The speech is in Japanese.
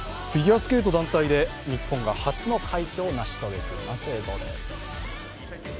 フィギュアスケート団体で日本が初の快挙を成し遂げています。